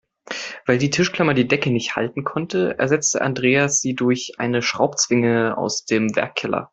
Weil die Tischklammer die Decke nicht halten konnte, ersetzte Andreas sie durch eine Schraubzwinge aus dem Werkkeller.